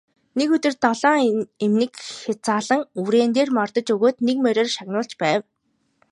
Нэг өдөр долоон эмнэг хязаалан үрээн дээр мордож өгөөд нэг мориор шагнуулж байв.